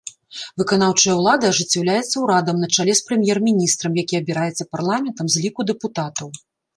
Выканаўчая ўлада ажыццяўляецца ўрадам на чале з прэм'ер-міністрам, які абіраецца парламентам з ліку дэпутатаў.